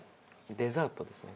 デザートですね。